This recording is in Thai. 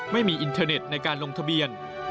ไม่มีอินเทอร์เน็ตในการลงทะเบียน